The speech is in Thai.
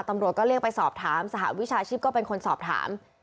ตำรวจก็เรียกไปสอบถามสหวิชาชีพก็เป็นคนสอบถาม